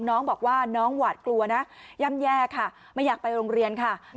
น้องบอกว่าน้องหวาดกลัวนะย่ำแย่ค่ะไม่อยากไปโรงเรียนค่ะ